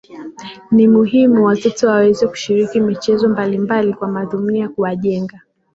Ni muhimu watoto waweze kushiriki michezo mbalimbali kwa madhumuni ya kuwajenga